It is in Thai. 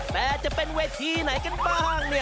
แต่จะเป็นเวทีไหนกันบ้าง